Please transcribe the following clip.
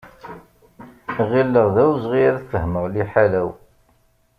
Ɣilleɣ d awezɣi ad fehmen liḥala-w.